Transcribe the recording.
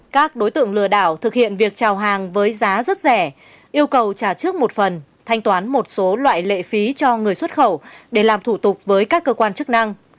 các đối tượng lừa đảo thực hiện việc trào hàng với giá rất rẻ yêu cầu trả trước một phần thanh toán một số loại lệ phí cho người xuất khẩu để làm thủ tục với các cơ quan chức năng